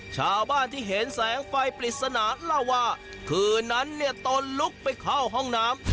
ชาวบ้านที่เห็นแสงไฟปริศนาเล่าว่าคืนนั้นเนี่ยตนลุกไปเข้าห้องน้ำ